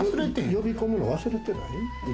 呼び込むの忘れてない？